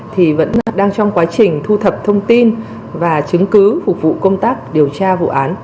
thì vẫn đang trong quá trình thu thập thông tin và chứng cứ phục vụ công tác điều tra vụ án